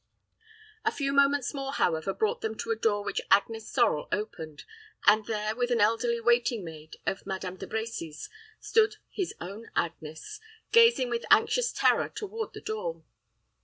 A few moments more, however, brought them to a door which Agnes Sorel opened, and there, with an elderly waiting maid of Madame De Brecy's, stood his own Agnes, gazing with anxious terror toward the door.